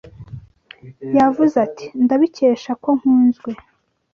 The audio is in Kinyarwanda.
Yavuze ati: "Ndabikesha ko nkunzwe."